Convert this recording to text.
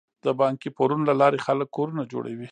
د بانکي پورونو له لارې خلک کورونه جوړوي.